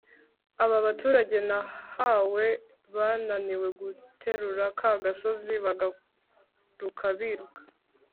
aba baturage nahawe bananiwe guterura ka gasozi bagaruka biruka